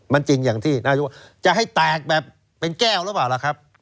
มันจริงอย่างที่นายกจะให้แตกแบบเป็นแก้วหรือเปล่าล่ะครับ